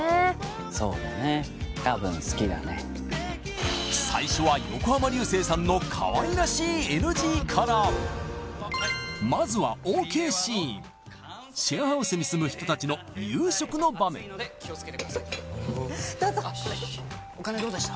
そうだねたぶん好きだね最初は横浜流星さんのかわいらしいＮＧからまずはＯＫシーンシェアハウスに住む人たちの夕食の場面どうぞお金どうでした？